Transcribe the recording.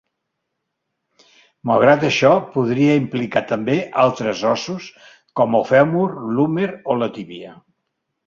Malgrat això, podria implicar també altres ossos com el fèmur, l'húmer o la tíbia.